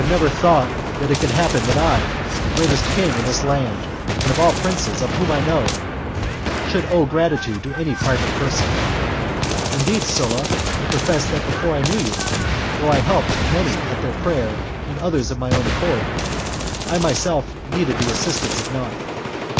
I never thought that it could happen that I, the greatest king in this land, and of all princes of whom I know, should owe gratitude to any private person. Indeed, Sulla, I profess that before I knew you, though I helped many at their prayer and others of my own accord, I myself needed the assistanpe of none.